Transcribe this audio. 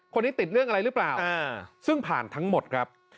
ติดเรื่องอะไรหรือเปล่าซึ่งผ่านทั้งหมดครับ